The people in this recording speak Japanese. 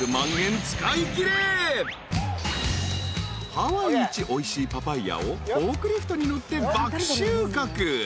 ［ハワイいちおいしいパパイアをフォークリフトに乗って爆収穫］